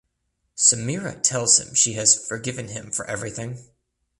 Sameera tells him she has forgiven him for everything.